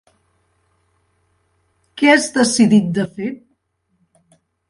Què has decidit de fer?